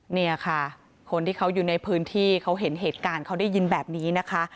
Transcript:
เนี่ยค่ะคนที่เขาอยู่ในพื้นที่เขาเห็นเหตุการณ์เขาได้ยินแบบนี้นะคะ